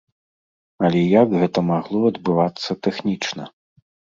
Але як гэта магло адбывацца тэхнічна?